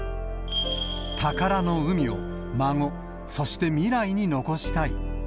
宝の海を孫、そして未来に残したい。